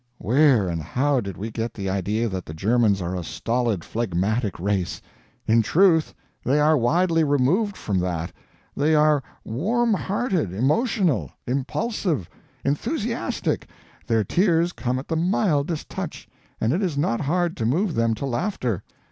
Where and how did we get the idea that the Germans are a stolid, phlegmatic race? In truth, they are widely removed from that. They are warm hearted, emotional, impulsive, enthusiastic, their tears come at the mildest touch, and it is not hard to move them to laughter.